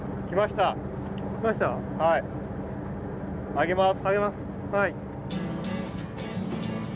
上げます。